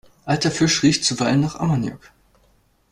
Alter Fisch riecht zuweilen nach Ammoniak.